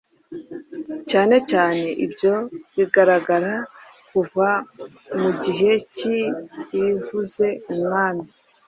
cyane cyane ibyo bigaragara kuva mu igihe cy'irivuze umwami.